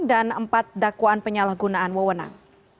dan empat dakwaan penyalahgunaan wewenang